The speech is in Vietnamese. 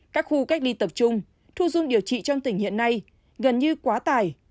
các khu cách ly tập trung thu dung điều trị trong tỉnh hiện nay gần như quá tải